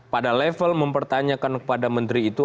pada level mempertanyakan kepada menteri itu